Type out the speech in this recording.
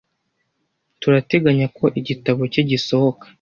Turateganya ko igitabo cye gisohoka.